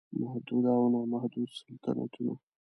محدود او نا محدود سلطنتونه